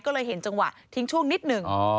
ก็เลยเห็นจังหวะทิ้งช่วงนิดหนึ่ง